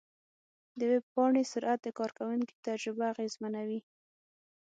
د ویب پاڼې سرعت د کارونکي تجربه اغېزمنوي.